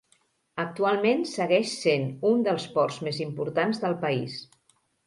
Actualment segueix sent un dels ports més importants del país.